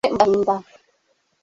ntukunamire umutwe mu gahinda